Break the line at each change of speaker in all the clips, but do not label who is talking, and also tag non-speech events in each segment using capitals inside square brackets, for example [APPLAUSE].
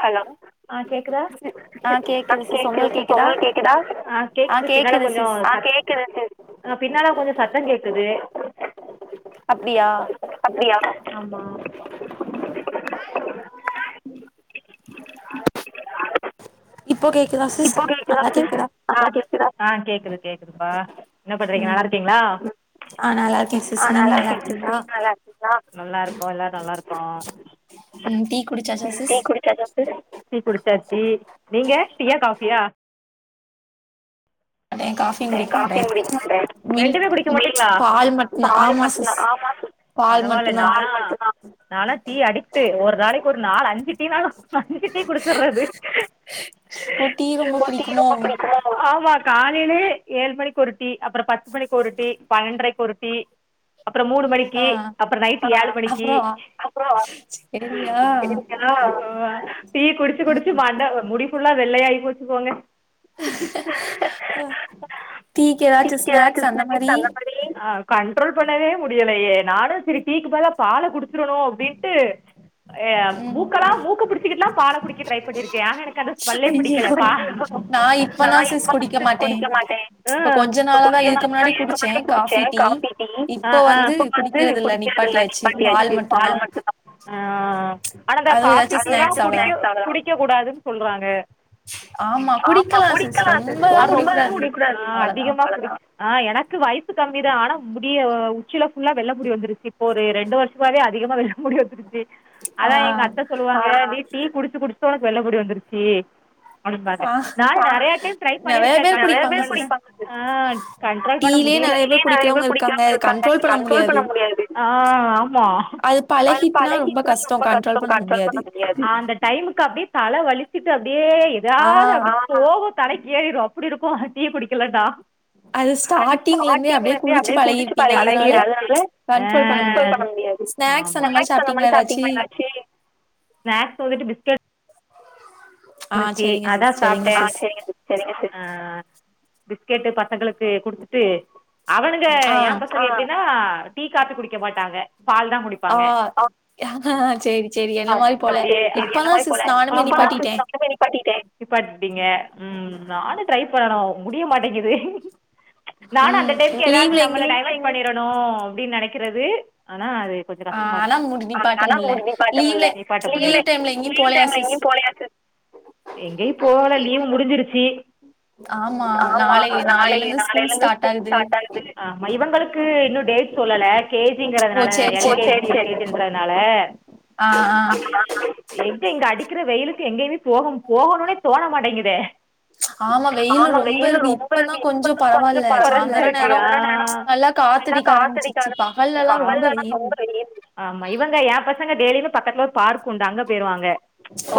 Hello ஆ கேக்குதா ஆ கேக்குது சிஸ் உங்களுக்கு கேக்குதா ஆ கேக்குது பின்னால கொஞ்சோ ஆ கேக்குது சிஸ் ஆ பின்னால கொஞ்சோ சத்தம் கேக்குது
அப்டியா
அப்டியா ஆம்மா [UNINTELLIGIBLE] நாளைக்கு
இப்போ கேக்
இப்போ கேக்குதா சிஸ் ஆ கேக்குதா ஆ கேக்குது கேக்குதுப்பா என்ன பண்றீங்க நல்லா
ம்
இருக்கீங்ளா
ஆ நல்லா இருக்கே சிஸ்
ஆ நல்லா
நீங்க
இருக்கே சிஸ்
இருக்கீங்களா
நீங்க நல்ல இருக்கீங்கா நல்லா இருக்கோ எல்லாரு நல்லா இருக்கோ
ம் டீ குடிச்சாச்சா சிஸ்
சிஸ் டீ குடிச்சாச்சி நீங்க டீயா காஃபியா
மாட்டே காஃபியு
டே
குடிக்க மாட்டே
காஃபியு குடிக்க மாட்டே
மில்க்
ரெண்டுமே குடிக்க மாட்டிங்ளா
பால் மட்டுந்தா
பால்
ஆமா
மட்டுந்தா
சிஸ்
ஆமா சிஸ்
பால்
பரவால்ல
மட்டுந்தா
நா பால் மட்டுந்தா நால்லா டீ அடிக்ட்டு ஒரு ரு நாளைக்கு ஒரு நாலு அஞ்சு டீனாலு இஞ்சி டீ குடிச்சிட்றது
ஓ டீ ரொம்ப புடிக்குமோ
[UNINTELLIGIBLE] ஆம்மா காலைலே ஏழு மணிக்கு ஒரு டீ அப்பற பத்து மணிக்கு ஒரு டீ பன்னண்ட்ரைக்கு ஒரு டீ அப்பற மூணு
ஆ
மணிக்கி அப்பற நைட் ஏழு மணிக்கி
அப்றோ
அப்பறோ [UNINTELLIGIBLE]
சேரியா
அ அ டீ குடிச்சி குடிச்சி
ம்
மண்ட முடி ஃபுல்லா வெள்ளையாயி போச் [UNINTELLIGIBLE] போங்க
அ டீக்கு
க்கு ஏதாச்சு
ஸ்நாக்ஸ்
சிஸ்
மாரி
அந்த மாறி அ கண்ட்ரோல் பண்ணவே முடியலயே நானு சிரி டீக்கு பதிலா பால குடிச்சிருணு அப்டின்ட்டு ஏ
ம்
மூக்கெல்லா மூக்கு புடிச்சிக்கிட்டுலா பால குடிக்க ட்ரை பண்ணிருக்கே ஆனா எனக்கு அந்த ஸ்மெல்லே
ஐயோ
பிடிக்கல பா நா
இப்பதா
இப்ப
சிஸ் குடிக்க
வந்து
மாட்டே
குடிக் ஆ அ அ
இப்ப கொஞ்ச நாளாதான் இதுக்கு முன்னாடி குடிச்சேன் காஃபி டீ இப்போ வந்து குடிக்கிறது இல்ல நிப்பாட்டியாச்சு பால் மட்டுந்தா
ஆ ஆ ஆனா இந்த
அதுவும்
காஃபி
ஏதாச்சும்
டீல்லா
ஸ்நாக்ஸ் அவ்ளதா
குடிக்க குடிக்கெக் கூடாதுன் சொல்றாங்க
ஆமா குடிக்கலா சிஸ் ரொம்பதா குடிக்கூடா
பவு குடிக்கூடாது ஆ அதிகமா குடி ஆ எனக்கு வைஸ் ஸு கம்மிதா ஆனா முடிய ஒ கீழ ஃபுல்லா வெள்ள முடி வந்துருச்சு இப்ப ஒரு ரெண்டு வர்ஷமாவவே அதிகமா வெள்ள முடி வந்த்ருச் சி
ஆ
அதா எங்க அத்த சொல்லுவாங்க டீ டீ குடுச்சு குடுச்சு தா ஒனக்கு வெள்ள முடி வந்துருச்சி அப்டிம்பாங்க
ஆ
நா நெறைய டைம் ட்ரை
நெறைய
பண்ணிருக்க
பேர் குடிப்பாங்க சிஸ்
[UNINTELLIGIBLE] ஆ கண்ட்ரோல் பண்ண
டீலயே
முடியல
நெறைய பேர் குடிக்கிறவங்க இருக்காங்க அது கண்ட்ரோல் பண்ண முடியாது
ஆ ஆமா
அது
ஆ
பழகிட்டுனா ரொம்ப கஷ்டம் கண்ட்ரோல் பண்ண முடியாது
அந்த டைமுக்கு அப்டே தல வலி கிட்டாது அப்டே
ஆ
எதாவ்து அப்டே போகு தலக்கி ஏறிரு அப்டி இருக்கு டீ குடிக்கிலனா
அது ஸ்டார்ட்டிங்ல இருந்தே அப்டியே குடிச்சு பழகிருப்பீங்க அதனால
பழகிருச்சி ஆ
கண்ட்ரோல் பண்ண முடியாது ஸ்நாக்ஸ்
ஆமா
அந்த மாரி சாப்ட்டீங்களா ஏதாச்சி
ஸ்நாக்ஸ் வந்துட்டு பிஸ்கேட்
ஆ
[UNINTELLIGIBLE]
செரிங்க
அதா
சிஸ் செரிங்க
சாப்ட்டே ஆ
சிஸ்
கேட்டுப் பாத் சங்களுக்கு குடுத்துட்டு அவனுங்க
ஆ
ஏ பசங்க எப்டீனா டீ காபி குடிக்கெ மாட்டாங்க பால் தான்
ஆ யானா சேரி சேரி என்ன மாரி போல இப்பதா சிஸ் நானுமே நிப்பாட்டிட்டே
நிப்பாட்டிட்டிங்க ம் நானு ட்ரைப்பண்ணு முடிய மாட்டிங்கிது
ம் லீவ்ல எங்கயு
டணு அப்டின் நெனக்கிறது ஆனா அது கொஞ்சொ
ஆ
கஸ்டமா
ஆனா
இருக்கு
முடி நிப்பாட்ட முல்ல லீவ்ல
நிப்பாட்ட முடில
லீவ் டைம்ல
[UNINTELLIGIBLE]
எங்கயு
லீ
போலயா
டைம்ல
சிஸ்
எங்கயு போல லீவ் முடுஞ்சிருச்சு
ஆமா
ஆமா நாளை
நாளைல இருந்து
நாளைடடலேந்து
ஸ்டார்ட்
ஸ்கூல் ஸ்டாட் ஆகுது இவங்களுக்கு இன்னு டேட் சொல்ல பிளேக் கே ஜி
ஓ
ங்கறதுனால [UNINTELLIGIBLE]
சேரி
எல்
சேரி
கே ஜி ன்றனால
ஆ ஆ
இங்க அடிக்கிற வெயிலுக்கு எங்கயுமே போக போகணுனே தோண மாட்டேங்கிதே
வெயிலு
ஆமா வெயிலும்
இருக்கு
ரொம்ப அ இப்பதா கொஞ்சோ
பரவால்ல
பறவால
சாந்தர
கொறஞ்சிருக்கு
நேரோ நல்லா காத்தடிக்க ஆரம்பிச்சிருச்சு
காத்தடிக்காத பகல்லலா
வெயில்
ரொம்ப வெயில் இவங்காய் ஏ பசங் ங்க டெய்லியோ பக்கத்து ஒரு பார்க் உண்டு அங்க போய்டுவாங்க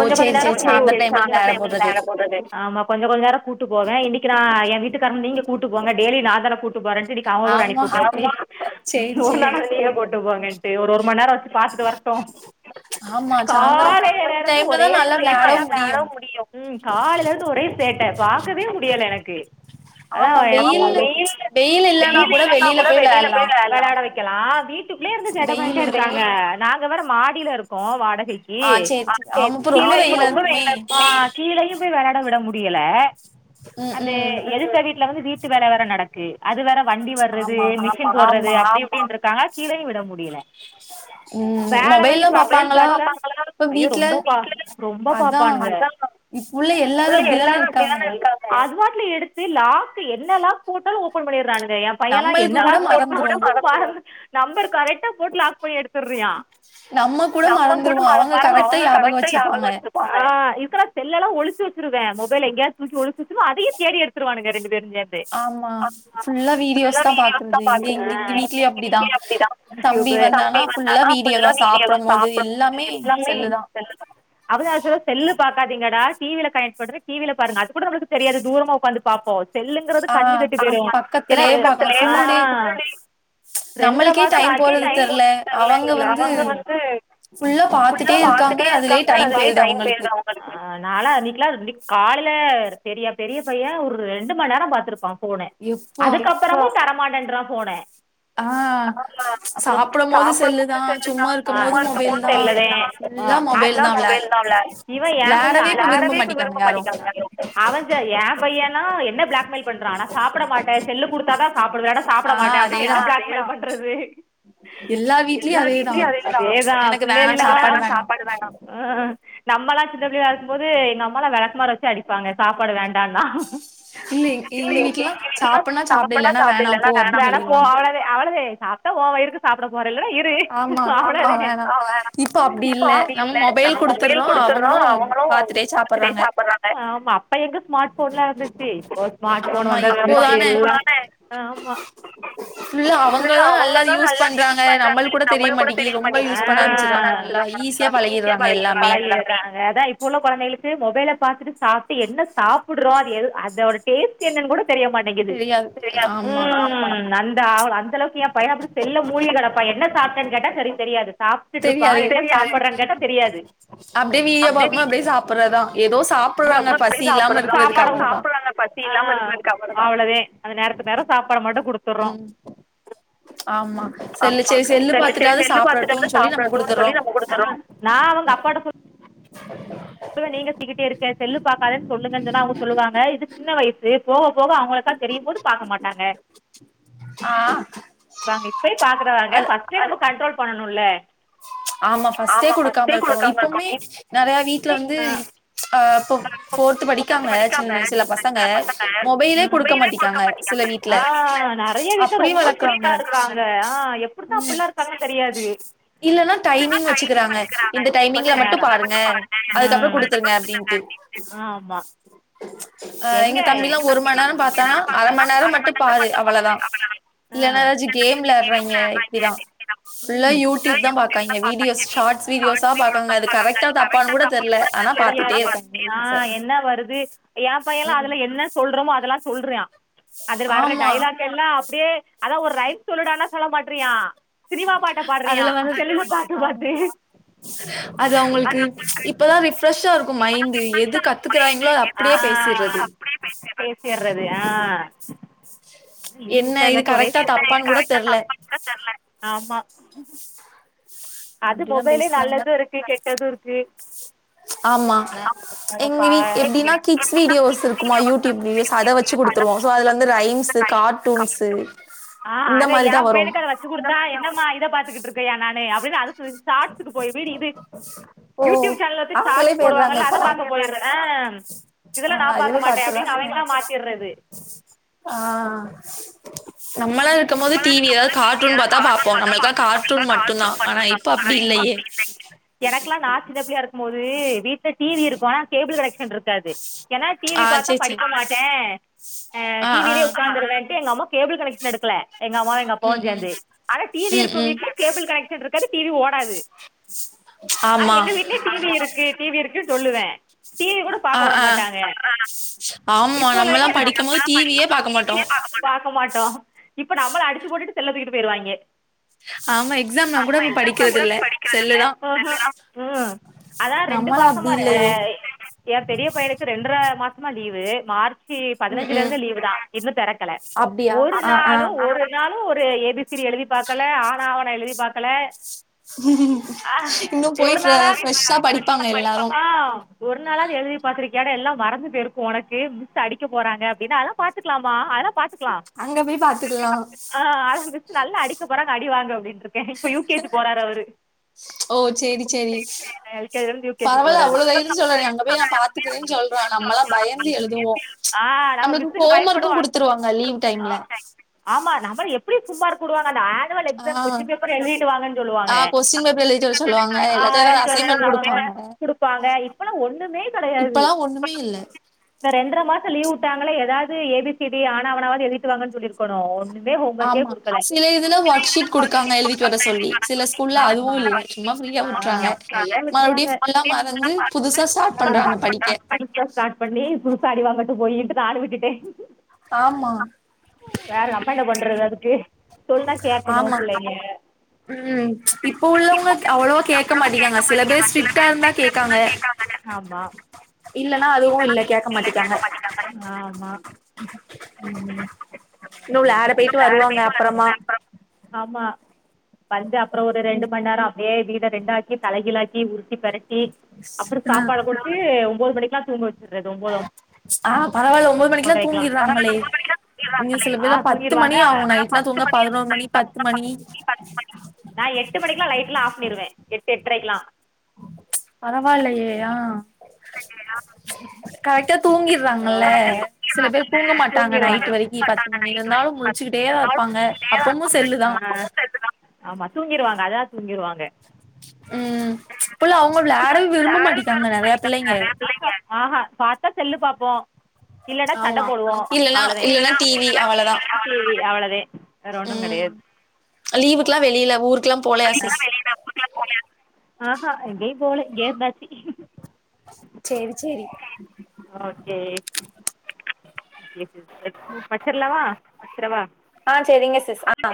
ஓ
கொஞ்சோ
சேரி
நேரோ
சேரி சாந்தர டைம்ல நேர போட்றது
[UNINTELLIGIBLE] ஆமா கொஞ்சோ கொஞ்சோ நேரோ கூட்டு போங்க இன்னைக்கு நா ஏ வீட்டுக்கார நீங்க கூட்டு போங்க டெய்லி நா தானே கூட்டு போறேன்ட்டு இன்னைக்கு அவ கூட அனுப்பி
ஆமா சேரி சேரி
கூட்டு போங்க [UNINTELLIGIBLE] ம்மா நேரோ வச்சி பாத்துட்டு வர
ஆமா சாந்தரோ
காலேல
இந்த
இருந்து
டைம்லதா
ஒரே சேட்ட
விளையாடவு
நல்லா
முடியு
விளாடவு முடியும் ம் காலேல இருந்து ஒரே சேட்ட பாக்கவே முடியல எனக்கு அதா [INAUDIBLE] வெயில்ல வெயில் இல்லன்னா கூட வெளியில பேய் விளையாடலா விளையாட வைக்கலா வீட்டுக்குள்ளே இருந்து சேட்ட பண்ணிட்டே
வெயிலு
இருக்காங்க நாங் இதுல வேற மாடில இருக்கோ வாடக் சிக்கி ஆ சேரி கீழயும் ரொம்ப வெயிலா இருக்கு ஆ கீழயும் வே வெளாட விட முடியல
ம்
அந்த
ம்
எதுத்த வீட்டுல வந்து வீட்டு வேல வேற நடக்கு அது வேற வண்டி வர்றது ஆமா மிஷின் போடுறது
ஆமா
அப்டி இப்டி இருக்காங்க கீழயு விட முடியல
ம்
வேல வச்சி
மொபைல்லா
பாக்கலானு
பாப்பாங்களா
பாத்தா
இப்ப
ஐயோ
வீட்ல
ரொம்ப்பா ரொம்ப
அதா
பாப்பான்ங்க
இப்புள்ள எல்லாரு
புள்ளக
அப்டிதான
எல்லாரும்
இருக்காங்க
அப்டித்தான இருக்காங்க அதுவாட் ல எடுத்து லாக் என்ன லாக் போட்டாலு ஓபன் பண்ணியர் ட்றானுங்க எ பையன்லா
நம்மளுக்கு
என்னலா
கூட மறந்துரு
[UNINTELLIGIBLE] நம்பர் கரெட் [UNINTELLIGIBLE] போட் லாக் பண்ணி எடுத்தற்றியா
நம்ம கூட மறந்துருவோ அவங்க
மறந்து
கரெக்டா
அவங்க
யாபகம் வச்சிர்பாங்க
ஆ இப்பலா செல்லலா ஒழிச்சுவச்சுருவ மொபைல எங்கயா தூக்கி ஒழிச்சு வச்சிருவ அதையு தேடி எடுத்துருவானுங்க ரெண்டு பே
ஆமா ஃபுல்லா வீடியோஸ்தா
கரெக்டா
பாக்குறது இங்கி இங்கி இங்
பாக்குறாங்க
வீட்லயு அப்டிதா தம்பி வந்தானா ஃபுல்லா வீ
[UNINTELLIGIBLE] வீடியோதா சாப்புடம்போது எல்லாமே [INAUDIBLE]
செல்லுதா
[UNINTELLIGIBLE] செல் பாக்காதீங்கடா டி வில கனெக்ட் பண்றே டி வில பாருங்க அது கூட நம்மளுக்கு தெரியாது தூரமா உட்காந்து பாப்போ செல்லுங்கறது
ஆ
கண்ணு கெட்டி போ [INAUDIBLE] ஏன்னா
பக்கத்துலயே பாக்கணு
[INAUDIBLE]
ஃபுல்
ஆ
டே
ரெண்ற மாசோ [INAUDIBLE] தெர்ல [UNINTELLIGIBLE] அவங்க வந்து ஃபுல்லா பாத்துட்டே இருக்காங்க அதுலயே டைம் போய்றது அவங்களுக்கு நாளா அன்னைக்குளா [UNINTELLIGIBLE] காலேல பெரிய பெரிய பைய ஒரு ரெண்டு மண் நேரோ பாத்துருப்பா போன் எப்பா அதுக்கப்பறமு தரமாட்டன்றா போன
அ சாப்ட போது செல்
[INAUDIBLE] ஆ செல்லவே ஆ
ஃபுல்லா மொபைல் விளா
ஆட்டோமொபைல் தா விளயாடு இவன் ஏ பைய
விளாடவே
வெளாடவே இப்ப
மாட்டிக்காங்க
விரும்ப
யாரு
மாட்டிக்கா அவன் சே எ பையன் லா என்ன பிளாக்மைல் பண்றா நா சாப்புட மாட்ட செல்லு குடுத்தாதா சாப்பாடு வேனா சாப்பிட
ஆ
மாட்டே அப்புடின்
அதேதா
என்ன பிளாக்மெயில் பண்றது
வீட்லயு
எல்லா
அதேதா
விட்டுலயு அதேதா
எனக்கு வேணா
பிள்ளைலா
வேணா
சாப்பாடு தா எல்லா ஆ நம்மளா சின்ன பிள்ளளா இருக்கும்போது எங்க அம்மா லா விளக்க மார வச்சு அடிப்பாங்க சாப்பாடு வேண்டானா
இல்ல எங்க வீட்லல்லா
[UNINTELLIGIBLE]
சாப்புட்னா சாப்டு
சாப்புனா
இல்லன்னா வேணா
சாப்பில்ல
போ
தான
அப்டின்னு
வேனா போ
சொல்லிருவாங்க
அவளதே அவளதே சாப்ட்டா ஒ வயிறுக்கு சாப்பிட போ இல்லனா இரு
ஆமா ஆ வேணா
[UNINTELLIGIBLE] இப்போ அப்டி இல்ல நம்ம மொபைல் கொடுத்துறோ அவுங்களு பாத்துட்டே சாப்பறாங்க ஆமா அப்ப எங்க ஸ்மாட் போன்லா இருந்துச்சி இப்போ ஸ்மார்ட் போன்
ஆமா
வந்ததுக்கப்புறமா
இப்போதான
எல்லாமே பூராமே ஆமா ஃபுல்லா
அவங்கதா அது
அவுங்கள்தா
யூஸ்
நல்லா வியூ
பண்றாங்க
நம்மளுக்கு கூட
மாட்டிக்கி
தெரிய
ரொம்ப யூஸ் பண்ண ஆரம்பிச்சிட்றாங்க
மாட்டிங்கிது
நல்லா
ஆ ஈஸியா
பழகிட்றாங்க
பழகிறாங்க
எல்லாமே
பழகிறாங்க அதா இப்போ உள்ள கொழந்தைகளுக்கு மொபைல் பாத்துட்டு சாப்பிட்டு என்ன சாப்புடுறோ அது அதோட டேஸ்ட் என்னனு கூட தெரிய மாட்டேங்கிது
தெரியாது
சரிய
ஆமா
ம் அந்த அந்த அளவுக்கு என் பயப்ப செல்ல மூழிக கிட என்ன சாப்டன் கேட்ட சரி தெரியாது சாப்ட்டுட்டு இருப்பா
தெரியாது
என்ன சாப்பறன் கேட்ட தெரியாது
அததா
[UNINTELLIGIBLE] போய் சாப்புட்றாங்க சாப்பாட
அவ்ளதா
சாப்புட்றாங்க பசியோட என்ன பண்றது ஆஹ் கவல அவளோதே அது நேரத்துக்கு நேர சாப்பாடு மட்டு குடுத்துறோ
ம் ஆமா செல்லு
ஆமா
செரி செல்லு
சில டைம்
பாத்துட்டாவது
செல்லு பாதுட்தான
சாப்டட்டும்னு சொல்லி நம்ம
சாப்டட்டு
குடுத்துறோ
சொல்லி நாம் குடுத்துறோ நா அவங்க அப்பாட சொல்லி
ஆஹ [INAUDIBLE]
நீங்க சீக்கிட்டே இருக்க செல்லு பாக்காதன்னு சொல்லுங்கன் சொன்னா அவங்க சொல்லுவாங்க இது சின்ன வயசு போக போக அவங்களுக்கா தெரியும்போது பாக்க மாட்டாங்க
ஆஹ்
சாங்க இப்பய பாதுடுவங்க ஃபஸ்டெப்பொ ஆ கண்ட்ரோல் பண்ணனுல
ஆமா ஃபஸ்ட்டே குடுக்காம இருக்கணு இப்பவுமே நெறைய வீட்ல வந்து அஹ் இப்ப போர்து படிக்காங்க சின்ன சில பசங்க மொபைலே
ம்.
குடுக்க மாட்டிக்காங்க சில வீட்ல அப்டியு வளக்றாங்
கா இருக்றாங்க ஆஹ் எப்டித்தா அப்டிலா இருக்கான்னு தெரியாது
இல்லன்னா டைமிங் வெச்சுக்குறாங்க இந்த டைமிங்ல மட்டு பாரும்ருங்கா அதுக்கப்றோ
ம்.
குடுத்துறுங்க அப்டின்னு
ஆமா
ஆ எங்க தம்பிலா ஒரு மண்ணேரோ பாத்தானா அர மண்ணேரோ மட்டு பாரு அவ்லதா
ஆ.
இல்லன்னா எதாத் கேம் வெளாட்றாங்க இப்டிதா ஃபுல்லா யூடியூப் தா பா
பண்ண மாட்றாங்க
அது
[UNINTELLIGIBLE] கரெக்டா
தப்பான்னு
தப்பா
தெர்ல
கூட
ஆனா
தெரில
பாத்துட்டே இருக்காய்ங்க
தெரியாது
வீடியோஸ
ஆஹ் என்ன வருது ஏ பையல்லா
ம்
அதுல என்ன சொல்றோமோ அதெல்லா சொல்றா அதுல வர்ற
ஆமா
டைலாக் எல்லா அப்டியே அதா ஒரு ரைம் சொல்லுடானா சொல்ல மாட்றியா
அதுல வந்து ஆமா
பார்த்து
அது அவங்களுக்கு இப்பதா ரிஃப்ரெஷா இருக்கு மைண்டு எது கத்துக்குறாயங்களோ அது அப்டியே
ஆ
பேசிட்றது
பேசிடுறது ஆ
என்ன இது கரெக்டா தப்பான்னு கூட
கூட
தெர்ல
தப்பான்னு கூட தெரல ஆமா அது
அப்டிதா
மொபைலு
பேசுறாங்க
நல்லது இருகு கெட்டது இருகு [INAUDIBLE]
ஆமா எங்க வீட் எப்டின்னா கிட்ஸ் வீடியோஸ் இருக்குமா யூடியூப் வீடியோஸ் அத வச்சு குடுத்துருவோ சோ அதுல வந்து ரைம்ஸு கார்ட்டூன்ஸு
ஆ
இந்த
அது யா
மாரிதா வரு
பையனுகு அத வச்சி கொடுத்தா என்னமா இத பாத்துகுடுருக்க என [UNINTELLIGIBLE] ஷாட்ஸ்க்கு போய் வீடு இது
ஓ
யூடியூப் சேனல்
அவங்களே
ஷார்ட்ஸ்
போயிடுறாங்க
போடுவாங்கல்ல அத
இப்பல்லா
பாக்க போயிர ஆ
ஆ
இதெல்லா நா பாக்க
அதுவே
மாட்டே அப்படின்னு
பாத்துறாங்க
அவீங்களா மாத்திறது
ஆ நம்மளா இருக்குபோது டிவிய கார்டூன் பா்த்தா பா்பப்போ நம்மலூக்கெல்லா கார்டூன் மட்டுதா ஆன இப்
[UNINTELLIGIBLE] எனக்கெல்லா நா சின்னபில்லையா இருக்கு போது வீட்ல டிவி இருக் பொனா கேபிள் கனெக்ஷன் இருக்காது ஏன்னா டிவி
ஆ
பார்த்தா
சேர் சேர்
படிக்க மாட்டே அஹ்
ஆ ஆ
டிவிலே உட்காந்துருவேன் எங்கமௌ கேபிள் கனக்ஷன் எடுக்கல எங்க அம்மாவொ எங்க அப்பாவொ
ம் ம்
சேந்து ஆனா டிவி
ம்
இருக்கு
ம்
வீட்டுல கேபிள் கனக்ஷன் இருக் [UNINTELLIGIBLE] டிவி ஓடாது ஆனா
ஆமா
எங்க வீட்லயே டிவி இருக்கு டிவி இருக்கு சொல்லுவே
ஆஹ் ஆஹ் ஆமா
இப்போ
நம்மல்லா படிக்கும் போது டிவியே பாக்க மாட்டோ
மாட்டோ இப்ப நம்மள அடிச்சு போட் போட்டு செல்ல துக்கிட்டு போயிறுவாங்க
ஆமா எக்ஸாம்னா கூட
அப்ப
இப்ப
எக்ஸாம்னா
படிக்கிறது
கூட
இல்ல
படிக்கறது
செல்லு
இல்ல
தா
ஹா ஹ அத ரெண்டு
நம்மளா அப்டி
மாசமா ஆ
இல்லையே
எ பெரிய பையனுக்கு ரென்ற மாச மா லீவு மார் மார்ச்
ம்
பதனஞ்சுல
ம்
இருந்து லீவு தா இன்னு தெறக்கல
அப்டியா
ஒரு
ஆ ஆ
நாளு ஒரு நாள் நாளு ஒரு ஏபிசிடி எழுதி பாக்கல ஆன ஆவன்னா எழுதி பாக்கல
இன்னு போய்
ஒரு நாளாவது
ஃப்ரெஷ்ஷா படிப்பாங்க எல்லாரு
ஆ ஒரு நாலாவது எழுதி பாத்ரிக்கியா டா எல்லா மறந்து போயிருக்கு உனக்கு மிஸ் அடிக்க போறாங்க அப்டினா அல பாத்துக்கலாமா அல பாத்துக் க்ல
அங்க போய் பாத்துக்கலா
அ மிஸ் நல்ல அடிக்க போறாங்க அடி டி வாங்கு அப்டின்றது
ஓ செரி செரி
எல்கேஜில இருந்து யூகேஜி
பரவல
போறாரு
அவ்வளோ தைரியொ சொல்ரானே அங்க போய் நா பாத்துக்கறே சொல்றான் நம்மல்லா பயந்து எழுதுவோ நம்மளுக்கு ஹோம் ஒர்க்கு கொடுத்துருவாங்க
[INAUDIBLE] ஆமா நம்பர எப் எப்டி சும்மார்க வுடுவாங்க அந்த அன்ஸ் ஆன்வல்
ஆ
எக்ஸாம் கொஸ்டின் பேப்பர் எழுதிட்டு வாங்கனு சொல்லுவாங்க
ஆ
[INAUDIBLE]
கொஸ்டின் பேப்பர் எழுதிட்டு வர சொல்லுவாங்க இல்லாட்ட
அஹ
ஏதாவது அசைன்மெண்ட் குடுப்பாங்க
[UNINTELLIGIBLE] குடுப்பாங்க இப்பல்லா ஒண்ணுமே கெடையாது
இப்பல்லா ஒண்ணுமே இல்ல
இந்த ரென்ற மாசொ லீவு உட் டங்கள ஏதாவது ஏபிசிடி ஆன னா அவனாவது [UNINTELLIGIBLE] வாங்கன்னு சொல்லிருக்காணோ ஒன்னு ஒரே ஹோம் ஒர்க்கே
ஆமா
குடுக்றாங் [INAUDIBLE]
சில இதுல ஒர்க் ஷீட் குடுக்காங்க எழுதிட்டு வர சொல்லி சில ஸ்கூல்ல அதுவு இல்ல சும்மா ஃப்ரீயா
ஆமா
விட்றாங்க மறுபடியு ஃபுல்லா மறந்து புதுசா ஸ்டார்ட் பண்றாங்க படிக்க
[INAUDIBLE] வ்ளாட விட்டுட்டே
ஆமா
என்ன பண்ணுறது அதுக்கு சொன்னா கேட்கணும்
ஆமா
பிள்ளைங்க
உம் இப்போ உள்ளவங்க அவ்ளோ கேக்க மாட்டிக்காங்க சில பேர் ஸ்ர்டிட்டா இருந்தா கேக்காங்க
ஆமாம்
இல்லன்னா அதுவூ இல்ல கேக்க மாடிக்காங்க
ஆமாம்
இன்னு
ஓகே செரி
விளாட
செரி இன்னு
போயிட்டு
வ்ளாட
வருவாங்க
பேய்ட்டு
அப்பறமா
வருவாங்க அப்பற் ஆமா வந்து அப்றோ ஒரு ரெண்டு மண் நேரோ அப்டியே இப்டி இத ரெண்டாக்கி தலைகிழாக்கி உருட் திப்பெரட்டி அப்றோ சாப்பாட குடுத்து ஒம்போது மணிக்லா [UNINTELLIGIBLE]
ஆஹ் பரவாயில்லா ஓக்
ஔட் ஆய்க்லா
இங்க சில
[UNINTELLIGIBLE] ஆ
பேர்லா பத்து
தூங்கிருவாங்க
மணி ஆகு நைட்லா தூங்க பதினோரு மணி பத்து மணி
[UNINTELLIGIBLE] நா எட்டு மணிக்லா லைட்ல்லா ஆஃப் பண்ணிருவே எட் எட்ரைக்லா
பரவாயில்லையே ஆஹ்
[INAUDIBLE]
தூங்கிர்றாங்கல்ல சில பேர் தூங்க மாட்டாங்க நைட்டு் வரைக்கி பத்து மணி இருந்தாலு முழிச்சுக்கிட்டே தா இருப்பாங்க அப்பமூ செல்லுதா
அதா தூங்கிருவாங்க
உம் புள்ள அவ்ங்க வ்லாட விரும்ப மாட்டிக்காங்க நறைய பிள்ளைங்க
பாத்தா செல்லு பாப் போ இல்லனா சண்ட
ஆமா
போடுவோ
இல்லன்னா
அவ்ளதே
இல்லன்னா
[UNINTELLIGIBLE] அவ்ளத் தே
உம் லீவுக்லா வெளில ஊருக்
[UNINTELLIGIBLE] ஆஹா எங்கயு போல கே பாசி
சேரி சேரி
[INAUDIBLE] வச்சிர்லவா வச்சிரவா
தெஸ் ஆ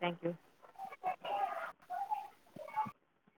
தேக் யூ